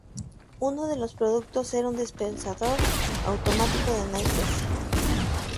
Uno de esos productos era un dispensador automático de naipes.